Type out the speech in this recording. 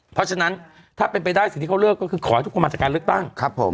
เพราะฉะนั้นถ้าเป็นไปได้สิ่งที่เขาเลิกก็คือขอให้ทุกคนมาจากการเลือกตั้งครับผม